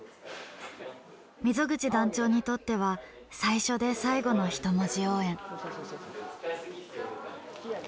溝口団長にとっては最初で最後の人文字応援。